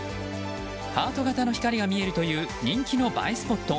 ハート形の光が見えるという人気の映えスポット。